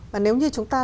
và nếu như chúng ta